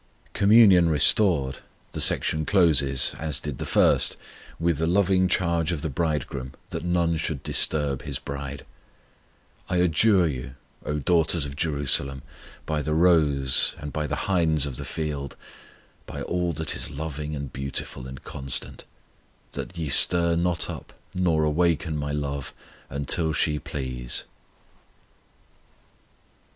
Communion fully restored, the section closes, as did the first, with the loving charge of the Bridegroom that none should disturb His bride: I adjure you, O daughters of Jerusalem, By the roes, and by the hinds of the field, (By all that is loving and beautiful and constant), That ye stir not up, nor awake My love, Until she please.